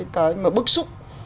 cái mà bức xúc